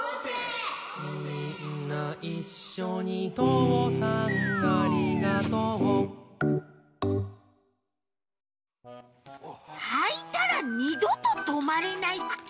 「みーんないっしょにとうさんありがとう」はいたらにどととまれないくつ！？